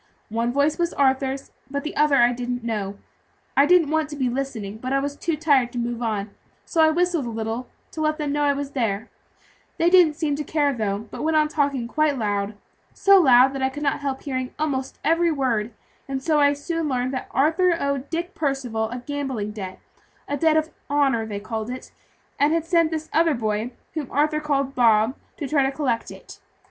One voice was Arthur's, but the other I didn't know. I didn't want to be listening, but I was too tired to move on; so I whistled a little, to let them know I was there; they didn't seem to care, though, but went on talking quite loud, so loud that I could not help hearing almost every word; and so I soon learned that Arthur owed Dick Percival a gambling debt a debt of honor, they called it and had sent this other boy, whom Arthur called Bob, to try to collect it.